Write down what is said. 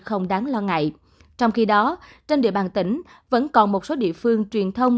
không đáng lo ngại trong khi đó trên địa bàn tỉnh vẫn còn một số địa phương truyền thông